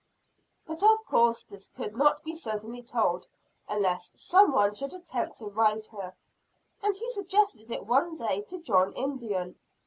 But of course this could not be certainly told, unless some one should attempt to ride her; and he suggested it one day to John Indian.